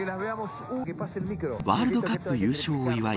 ワールドカップ優勝を祝い